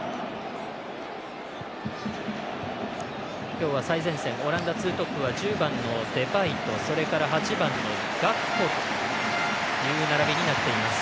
今日は最前線オランダツートップは１０番のデパイとそれから８番のガクポという並びになっています。